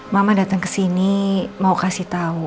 mama dateng kesini mau kasih tau